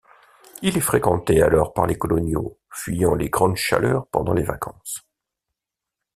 Il est fréquenté alors par les coloniaux fuyant les grandes chaleurs pendant les vacances.